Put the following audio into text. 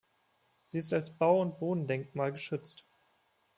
Sie ist als Bau- und Bodendenkmal geschützt.